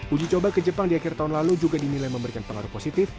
uji coba ke jepang di akhir tahun lalu juga dinilai memberikan pengaruh positif